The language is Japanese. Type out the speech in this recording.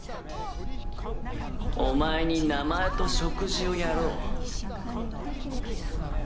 お前に名前と食事をやろう。